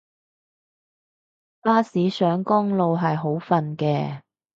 巴士上公路係好瞓嘅